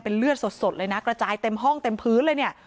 เลือดสดเลยนะกระจายเต็มห้องเต็มพื้นเลยเนี่ย